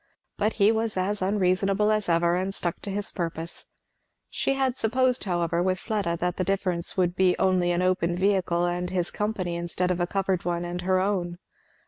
But he was as unreasonable as ever, and stuck to his purpose. She had supposed however, with Fleda, that the difference would be only an open vehicle and his company instead of a covered one and her own.